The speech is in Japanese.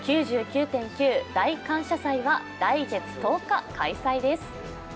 「９９．９」大感謝祭は来月１０日開催です。